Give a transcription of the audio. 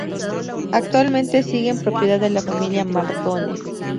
Actualmente sigue en propiedad de la familia Mardones.